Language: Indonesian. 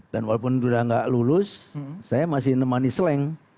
dan walaupun sudah nggak lulus saya masih nemani seleng